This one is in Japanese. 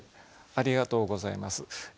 ありがとうございます。